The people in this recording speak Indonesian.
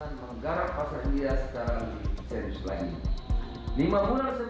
menggarak pasar india sekarang serius lain